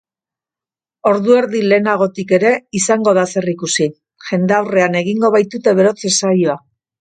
Ordu edi lehenagotik ere izango da zer ikusi, jendaurrean egingo baitute berotze-saioa.